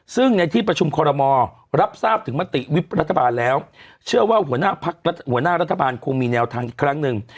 ซึ่งในที่ประชุมคอรมอลรับทราบถึงมติวิบรัฐบาลแล้วเชื่อว่าหัวหน้ารัฐบาลคงมีแนวทางอีกครั้งหนึ่ง